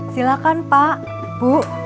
silahkan pak bu